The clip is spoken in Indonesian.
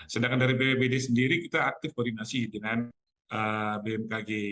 sedangkan dari bpbd sendiri kita aktif koordinasi dengan bmkg